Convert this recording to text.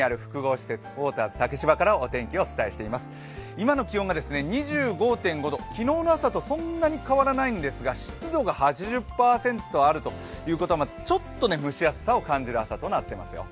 今の気温が２５．５度、昨日の朝とそんなに変わらないんですが湿度が８０％あるということもあってちょっと蒸し暑さを感じる暑さとなっています